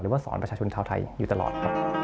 หรือว่าสอนประชาชนธาวน์ไทยอยู่ตลอด